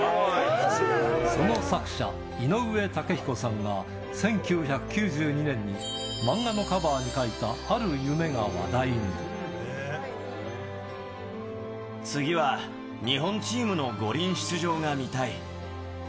その作者、井上雄彦さんが、１９９２年に漫画のカバーに書いた、ある夢が話次は日本チームの五輪出場が見たい。